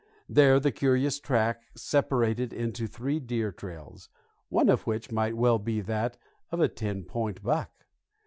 There the curious track separated into three deer trails, one of which might well be that of a ten point buck.